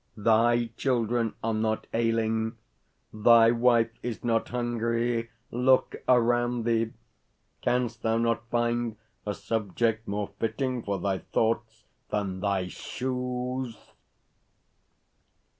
THY children are not ailing. THY wife is not hungry. Look around thee. Can'st thou not find a subject more fitting for thy thoughts than thy shoes?"